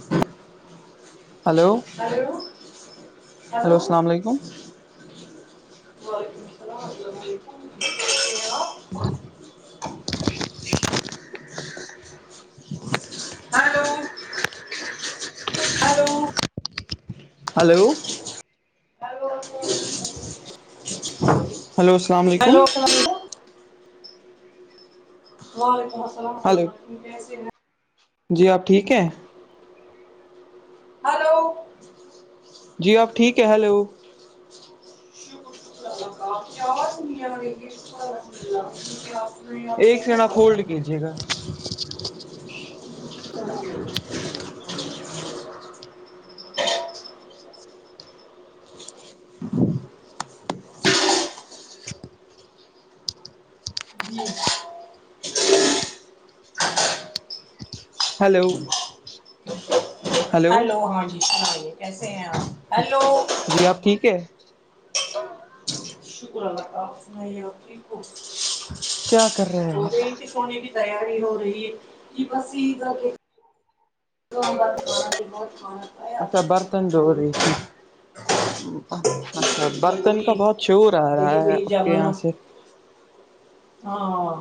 [unintelligible] hello hello hello hello السلام علیکم وعلیکم السلام السلام علیکم ہاں ہلو ہلو ہلو السلام علیکم [unintelligible] وعلیکم السلام ہلو السلام عسے جی آپ ٹھیک ہیں ہلو جی آپ ٹھیک ہے ہیلو [unintelligible] [unintelligible] ایک ٹھیک سےین آپ ہو ہولڈ سب کیجیے گا [unintelligible] جی ہلو ہلو ہاں جیے کیسے ہیں آپ ہیلو جی آپ ٹھیک ہے [unintelligible] شکر اللہ سنے کیا کر رہے ہو آپ کی تیاری ہو رہی ہے کہ بس یہھر [unintelligible] اچھا کرتے برتن د ہو رہی ہیں تھی اچھا یہ برتن کا وہی بہت شور آ رہا دہی ہے وہی آپ کے جمانا یہاں سے ہاں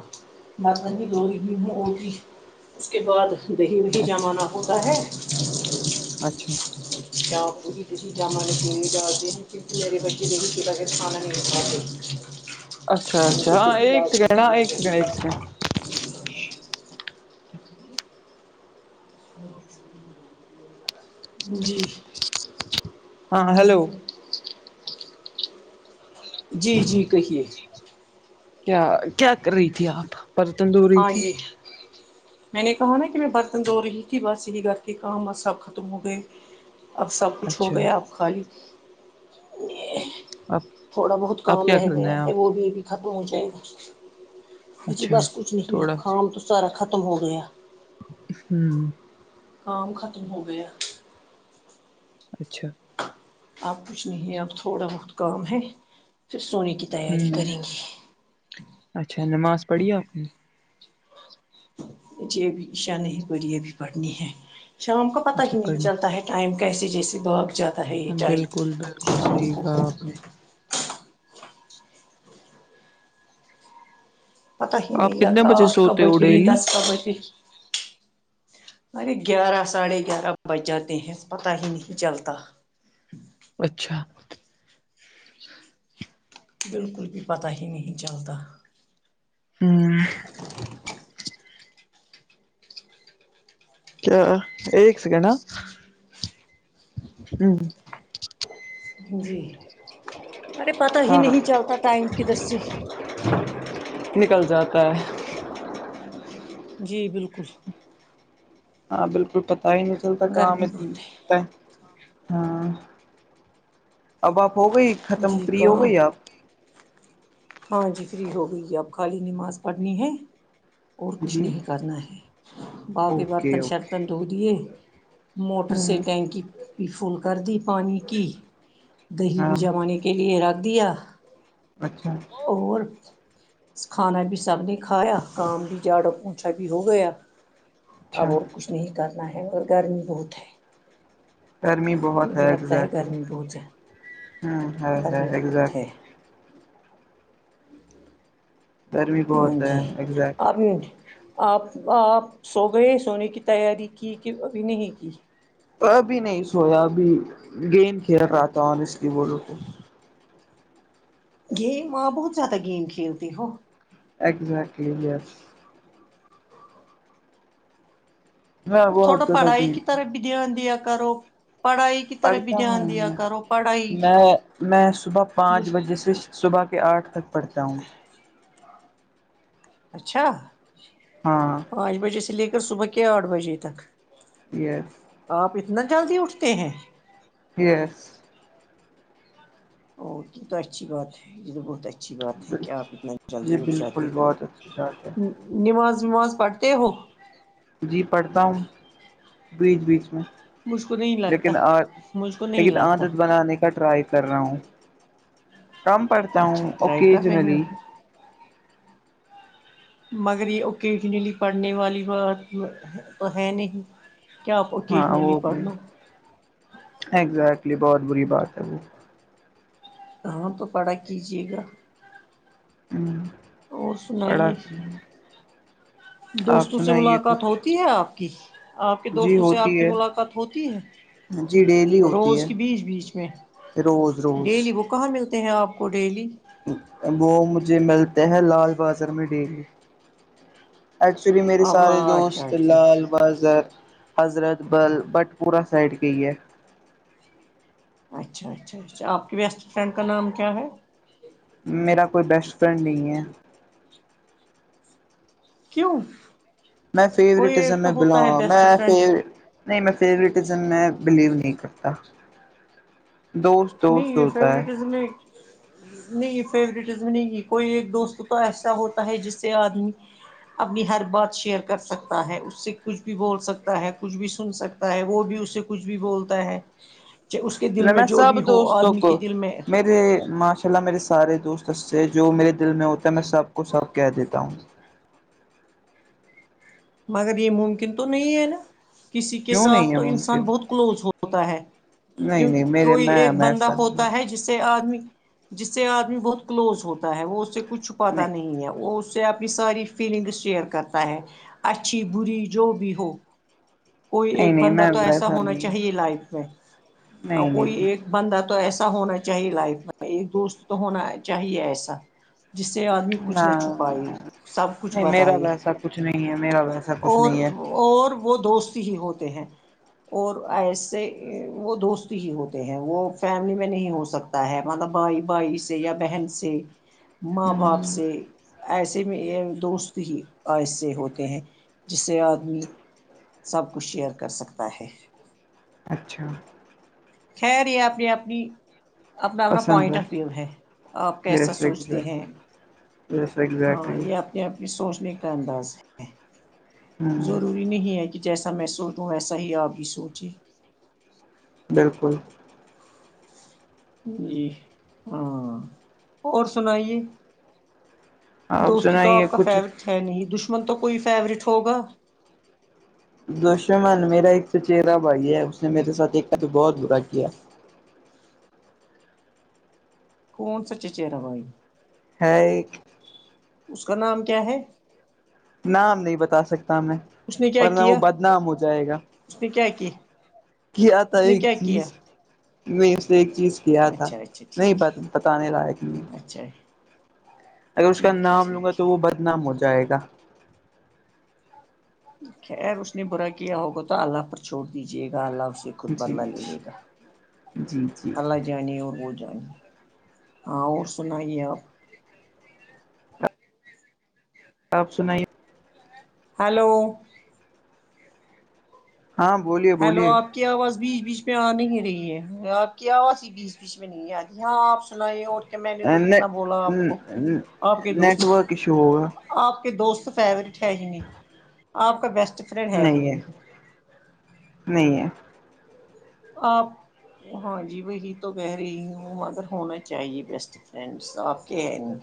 مات لی ہوتی اس کے بعد دہی میں ہی جمانا اچھا ہوتا ہے اچھا ج جامال پ نہیں ڈالتے کیونکہ میرے بچے د ہی کتا کھانا نہیں کھاتے اچھا بال اچھا کو ہاں ک ایک لاز سیکنڈ نہیں ہاں ہونا ایک سیکنڈ چاہی ایک سیکنڈ [unintelligible] جی ہاں ہیلو جی جی کہیے کیا کیا کر رہی تھی آپ برتن رہی ہاں تھی جی میں نے کہا نا کہ میں برتن دھو رہی تھی بس یہ گھر کے کام سب ختم ہو گئے اب سب کچھ ہو اچھا گیا اب خالی آپ تھوڑا بہت آپ کام کیا رہ کرنا گیا ہے آپ وہ بھی ا بھی ختم ہو جائے گا جی اچھا بس کچھ نہیں تھوڑا خام تو سارا ختم ہو گیا ہ ہوں کام ختم ہو گیا اچھا آپ کچھ نہیں ہے اب تھوڑا بہت کام ہے پھر سونے کی تیاری ہوں کریں گے اچھا نماز پڑھی آپ نے جبشا نہیں پڑی ابھی پڑھنی ہے شام کا پتا اچھا ہی نہیں چلتا پڑھنی ہے ٹائم کیسے جیسے بھاگ جاتا ہے یہ بالکل بالکل ٹائموں صحیح کو کہا آپ نے پتہ ہی ن آپ لت کتنے بجے آٹھ سوتے کبی ہو گ ڈیلی دس کبڑ گ ارے گیارہ ساڑھے گیارہ بج جاتے ہیں پتہ ہی نہیں چلتا اچھا بالکل بھی پتتا ہی نہیں چلتا ہوں کیا ایک سیکنڈ ہ جی ارے پتا ہی ہاں نہیں چلتا ٹائم کدھر سے نکل جاتا ہے جی بالکل ہاں بالکل پتا ہی نہیں چلتا کہاں گرمی بہت ہے ہاں اب آپ ہو گئی ختم جی کرری ہو کام گئی آپ ہاں جی فری ہو گئی ہے اب خالی نماز پڑھنی ہے اور کچھ جی نہیں کرنا ہے باقی اوکے برتن اوکے شرتن دھو دیے موٹر سے ہ ٹینکی پ فول کر دی پانی کی دہی ہاں بھی جمانے کے لیے رکھ دیا اچھا اور کھانا بھی سب نے کھایا کام بھی جاڑو اونچا بھی ہو گیا اچھا اب اور کچھ نہیں کرنا ہے مگر گرمی بہت گرمی ہے بہت مجھے لگتا ہے ایگزیکٹلی گرمی بہت ہے ہاں ہے ہے گرمی بہت ایگزیکٹ ہے گرمی ہاں بہت ہے جی آپ ایگزیکٹ نے آپ آپ سو گئے سونے کی تیاری کی کہ ابھی نہیں کی ابھی نہیں سویا ابھی گینم کھیل رہا تھا اور اس لیے بولو تو گیم آ بہت زیادہ گیم کھیلتی ہو ایگزٹلی یس میں بہت تھوڑا زیادہ پڑھائی گیم کی طرح بھی دھیان دیا کرو پڑھائی کی طرف بھی پڑھتا دھیان ہوں دیا میں کرو پڑھائی میں میں صبح پانچ مجھ بجے سے صبح کے آٹھ تک پڑھتا ہوں اچھا ہاں پانچ بجے سے لے کر صبح کے آٹھ بجے تک یس آپ اتنا جلدی اٹھتے ہیں یس او یہ تو اچھی بات ہے یہ تو بہت اچھی اچھی بات ہے کیا آپ اتنا جلدی جی اٹھ جاتے بالکل ہو ہ بہت اچھی بات ہے نماز وماز پڑھتے ہو جی پڑھتا ہوں بیچ بیچ میں مجھ کو نہیں لگتا لیکن آ مجھ کو نہیں لیکن لگتا عادت بنانے کا ٹرائی کر رہا ہوں کم پڑھتا ہوں اچھا ٹرائی کر اوکج رہے ہو میری مگر یہ اکنیلی پڑھنے والی ب تو ہے نہیں کیا آپ اوکیجنلی پڑھ لو [unintelligible] ہاں تو پڑا کیجیے گا ہوں اور سنائیے آپ دوستوں سے سنائیے ملاقات کچھ ہوتی ہے آپ آپ کے جی دوستوں سے آپ ہوتی کی ہے ملاقات ہوتی ہے جی ڈیلی ہوتی روز ہے کے بیچ بیچ میں روز روز ڈیلی وہ کہاں ملتے ہیں آپ کو ڈیلی وہ مجھے ملتے ہیں لال بازار میں ڈیلی ایکچولی میرے اولا سارے اچھا دوست اچھا Lal Bazar Hazratbal Batpora side گئی ہے اچھا اچھا اچھا آپ کی بیسٹ فرینڈ کا نام کیا ہے میرا کوئی بیسٹ فرینڈ نہیں ہے کیوں میں کوئی فیورٹزم ایک تو میں ہوتا ہے بلانگ بیسٹ میں ف فرینڈ نہیں میں فیورزم میں بلیو نہیں کرتا دوست دوست نہیں ہوتا ہے فورٹز میں نہیں فیورٹزم نہیں کوئی ایک دوست تو ایسا ہوتا ہے جس سے آدمی اپنی ہر بات شیئر کر سکتا ہے اس سے کچھ بھی بول سکتا ہے کچھ بھی سن سکتا ہے وہ بھی اس سے کچھ بھی بولتا ہے چ اس کے دل میں جو بھی ہو دوستوں آدمی کے کو دل میں میرے ماشر چلا میرے سارے دوست سے جو میرے دل میں ہوتا ہے میں سب کو سب کہہ دیتا ہوں مگر یہ ممکن تو نہیں ہے نا کسی کے کیوں نہیں ساتھ ہے تو انسان ممکن بہت کلوز ہوتا ہے نہیں کیونکہ نہیں میرے کوئی میں ایک بندہ ویسا نہیں ہوتا ہے جس آد جس سے آدمی بہت کلوز ہوتا ہے وہ اس سے کچ چھپاتا نہیں ہے وہ اپنی ساری فیلنگس شیئر کرتا ہے اچھی بری جو بھی ہو کوئی نہیں ایک نہیں بندہ میں تو ایسا ویسا ہونا نہیں ہوں چاہیے لائف میں اور نہیں نہیں کوئی نہیں ایک بندہ تو تو ایسا ہونا چاہیے لائف میں ایک دوس تو ہونا چاہیے ایسا جس سے آدمی کچھ نہ چھپائے سب کچھ نہیں میرا بتائی ویسا کچھ نہیں ہے میرا وسے اور اور وہ دوست ہی ہوتے ہیں اور ایسے وہ دوست ہی ہوتے ہیں وہ فیملی میں نہیں ہو سکتے تا ہے مطلب بھائی بھائی سے یا بہن سے ماں باپ ہ سے ایسے میں دوست ہی ایس سے ہوتے ہیں جس سے آدمی سب کچھ شیئر کر سکتا ہے اچھا خہیر یہ آنی اپنی اپنا اپنا پوائنٹ آف ویو ہے آپ کیسا یس سوچتے ایگزیکٹ ہیں یس ہاں ایگزیکٹلی یہ اپنے اپنی سوچنے کا انداز ہے ہ ضروری نہیں ہے کہ جیسا میں سوچوں ویسا ہی آپ بھی سوچے بالکل جی ہاں اور سنائیے آپ دوست تو سنائیے آپ کا کچھ فیورٹ ہے نہیں دشمن تو کوئی فیورٹ ہوگا دوشمن میرا ایک سچہرا بھائی ہے اس نے میرے ساتھ ایک کا تو بہت برا کیا کون سا چچرا بھائی ہے اس کا نام کیا ہے نام نہیں بتا سکتا میں اس نے کیا ورنہ وہ کیا بدنام ہو جائے گا اس کیاکی کیا آتا ایک چیز میں اس سے ایک چیز کیا تھا اچھا اچھا نہیں ٹھیک بتانے لائق نہیں ہے اچھا اگر اس کا ٹھیک ہے نام لوں گا ٹھیک تو ہے وہ بدنام ہو جائے گا خیر اس نے برا کیا ہوگا تو اللہ پر چھوڑ دیجیے گا اللہ اس سے خود جی بدلا لے لے گا جی جی اللہ جانیے اور وہ جانے ہاں اور سنائیے آپ آپ سنائیے ہلو ہاں بولیے ہیلو بولیے آپ کی آواز بیچ بیچ پہ آ نہیں رہی ہے آپ کی آواز ہی بیچ بیچ میں میں نہیں یاادی ہاں آپ سنائے اور میں نے تو اتنا بولا آپ کو آپ کے دوست نیٹ ورک ایشو ہوگا آپ کے دوست فیورٹ ہے ہی نہیں آپ کا بیسٹ نہیں ہے نہیں ہے آپ ہاں جی وہی تو کہہ رہی ہوں مگر ہونا چاہیے بیسٹ سپ کے ہے نہیں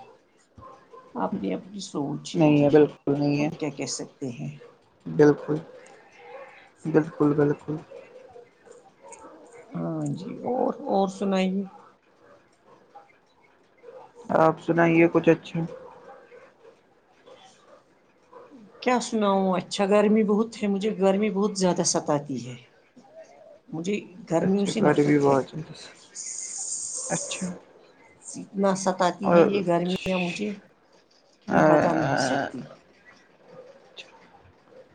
آپ نے اپنی سوچ ہے نہیں جی بالکل نہیں ہے آپ کیا کہہ سکتے ہیں بالکل بالکل بالکل ہاں جی اور اور سناائی جی آپ سنائیے کچھ اچھا کیا سناؤوں اچھا گرمی بہت ہے مجھے گرمی بہت زیادہ ستاتی ہے مجھے گرمیوں اچھا سے گھر بھی نفرت ہے آازس اچھا اتنا ستاتی اور ہے یہ گرم مجھے کہ میں بتا نہیں سکتی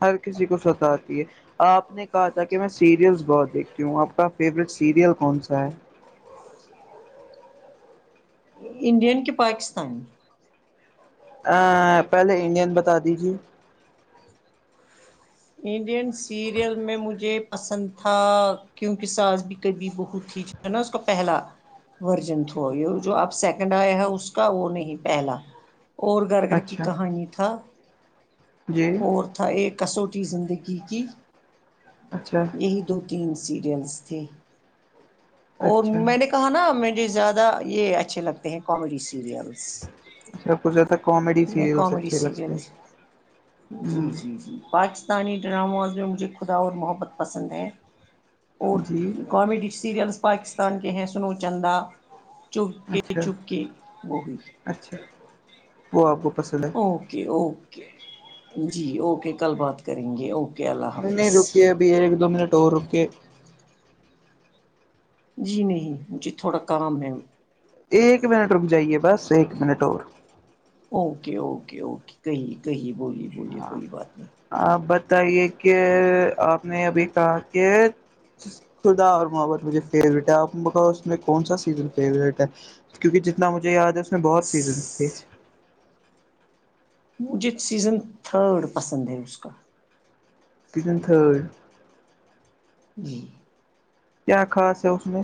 ہر کسی کو ستاتی ہے آپ نے کہا تھا کہ میں سیریلس بہت دیکھتی ہوں آپ کا فیوریٹ سیریل کون سا ہے انڈین کہ پاکستانی ا پہلے انڈین بتا دیجیے انڈین سیریل میں مجھے پسند تھا کیونکہ ساس بھی کبھی بہت تھی جو ہے نا اس کا پہلا ورژن تھ یہ جو آپ سیکنڈ آئے ہے اس کا وہ نہیں پہلا اور گر گر کی اچھا کہانی تھا جی اور تھا ایک کسوٹی زندگی کی اچھا ہی دو تین سیریلس تھے اور اچھا میں نے کہ کہ نا مجھے زیادہ یہ اچھے لگتے ہیں کامیڈی سیریل اب کچ زد کامیڈی میں سیریلس کامیڈی اچھے لگتے سیریلس جی ہیں جی جی پاکستانی ڈراماز میں مجھے خدا اور محبت پسند ہے اور جی کامیڈی سیریلس پاکستان کے ہیں سنو چندا چپ کے اچھا چپ کے وہ ہوئی اچھا وہ آپ کو پسند ہے اوکے اوکے جی اوکے کل بات کریں گے اوکے اللہ نہیں نہیں حافظ رکے اب ایک دو منٹ اور رکے جی نہیں مجھے تھوڑا کام ہے ایک منٹ رک جائیے بس ایک منٹ اور اوکے اوکے اوکے کہیے کہی بولیے بولیے کوئی بات نہیں آپ بتائیے کہ آپ نے ابھی کہا کہ خدا اور محبت مجھے فیوریٹ ہے آپ اس میں کون سا سیزن فیوریٹ ہے کیونکہ جتنا مجھے یاد ہے اس میں بہت سیزنس تھے مجھے سیزن تھرڈ پسند ہے اس کا کتن تھر جی کیا خاص ہے اس میں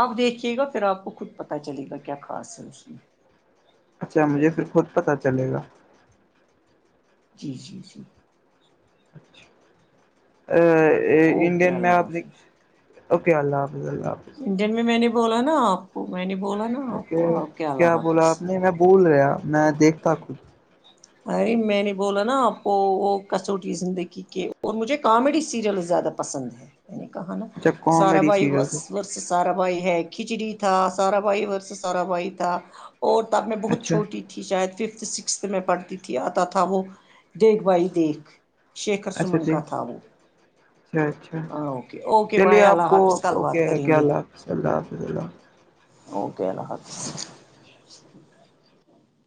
آپ دیکھیے گا پھر آپ کو خود پتہ چلے گا کیا خاص ہے اس میں اچھا مجھے پھر خود پتتا چلے گا جی جی جی ا اوکے انڈین میں اللہ آپ نے حافظ اوکے اللہ حاظ اللہ حافظ انڈین میں میں نے بولا نا آپ کو میں نے بولا نا آپ اے کو آپ کے کیا اللہ بولا حافظ آپ نے میں بول رہیا میں دیکھتا کچھ ارے میں نے بولا نا آپ کو وہ کسوٹی زندگی کے اور مجھے کامیڈی سیریل زیادہ پسند ہے ی نے کہا نا اچھا سارا کامیڈی بھائی سیریل کو، سارا بھائی ہے کھچڑی تھا سارا بھائی اورور سے سارا بھائی تھا اور ت اب میں بہت اچھا چھوٹی تھی شاید ففتھ سکسھ میں پڑھ تھی آتا تھا وہ دیکھ بھائی دیکھ شیکھر اچھا سمن کا ٹھیک تھا وہ اچھا اچھا ہاں اوکے اوکے چلیے بھائی آپ اللہ کو حافظ کل اوکے بات ہے کریں کیا گے حاف اللہ حافظ اللہ اوکے اللہ حافظ